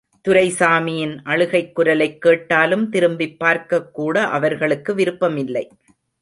துரைசாமியின் அழுகைக் குரலைக் கேட்டாலும், திரும்பிப் பார்க்கக்கூட, அவர்களுக்கு விருப்பமில்லை.